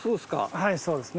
はいそうですね。